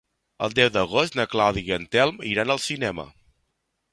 El deu d'agost na Clàudia i en Telm iran al cinema.